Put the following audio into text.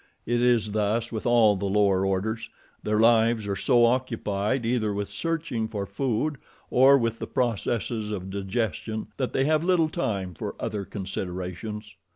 It is thus with all the lower orders their lives are so occupied either with searching for food or with the processes of digestion that they have little time for other considerations.